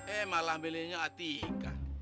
eh malah milihnya atika